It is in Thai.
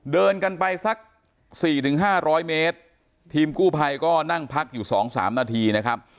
เดินกันไปสักสี่ถึงห้าร้อยเมตรทีมกู้ภัยก็นั่งพักอยู่สองสามนาทีนะครับ